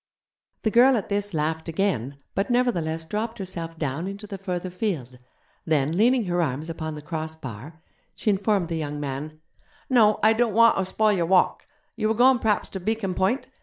The girl at this laughed again, but nevertheless dropped herself down into the further field; then, leaning her arms upon the cross bar, she informed the young man: 'No, I don't wanter spoil your walk. You were goin' p'raps ter Beacon Point?